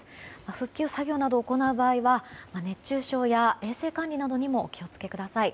復旧作業などを行う場合は熱中症や衛生管理などにもお気を付けください。